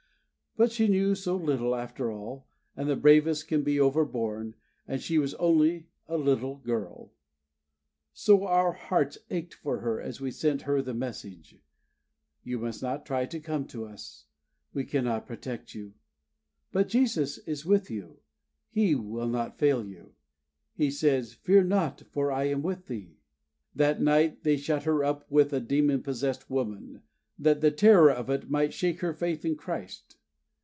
But she knew so little after all, and the bravest can be overborne, and she was only a little girl; so our hearts ached for her as we sent her the message: "You must not try to come to us. We cannot protect you. But Jesus is with you. He will not fail you. He says, 'Fear thou not, for I am with thee.'" That night they shut her up with a demon possessed woman, that the terror of it might shake her faith in Christ.